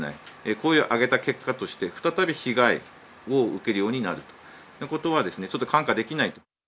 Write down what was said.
声を上げた結果として、再び被害を受けるようになるということは、ちょっと看過できない。